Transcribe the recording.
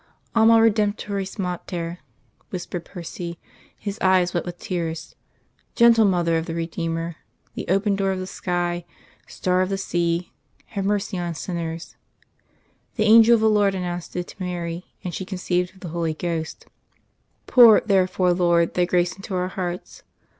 "Alma Redemptoris Mater," whispered Percy, his eyes wet with tears. "Gentle Mother of the Redeemer the open door of the sky, star of the sea have mercy on sinners. The Angel of the Lord announced it to Mary, and she conceived of the Holy Ghost.... _Pour, therefore, Lord, Thy grace into our hearts.